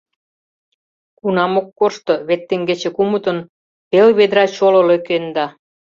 Кунам ок коршто: вет теҥгече кумытын пел ведра чоло лӧкенда.